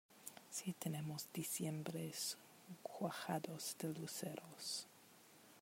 Si tenemos diciembres cuajados de luceros.